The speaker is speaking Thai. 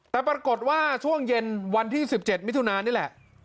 แต่ปรากฏว่าช่วงเย็นวันที่๑๗มิถุนานี่แหละ